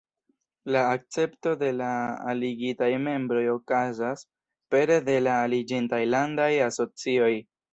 La akcepto de la aligitaj membroj okazas pere de la aliĝintaj landaj asocioj.